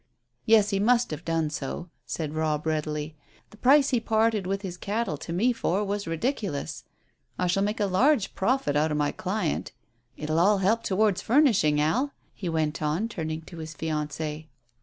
"Yes, he must have done so," said Robb readily. "The price he parted with his cattle to me for was ridiculous. I shall make a large profit out of my client. It'll all help towards furnishing, Al," he went on, turning to his fiancée.